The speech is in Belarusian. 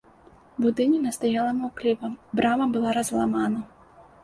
Будыніна стаяла маўкліва, брама была разламана.